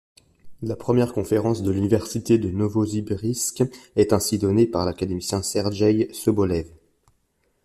La première conférence de l'université de Novossibirsk est ainsi donnée par l'académicien Sergueï Sobolev.